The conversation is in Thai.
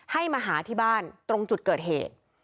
ให้มาหาที่บ้านตรงจุดเกิดเหตุ